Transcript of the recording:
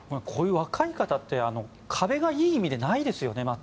こういう若い方って壁がいい意味でないですよね。